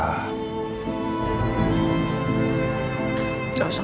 nanti kita bisa berbicara